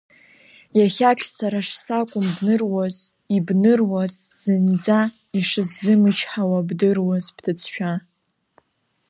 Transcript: Иахьак сара шсакәым бныруаз, ибныруаз, зынӡак ишысзымычҳауа бдыруаз бҭыӡшәа…